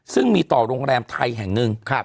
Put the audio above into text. ซึ่งมีต่อโรงแรมไทยแห่งหนึ่ง